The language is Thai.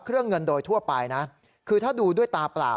เงินโดยทั่วไปนะคือถ้าดูด้วยตาเปล่า